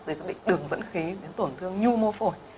để nó bị đường dẫn khí đến tổn thương nhu mô phổi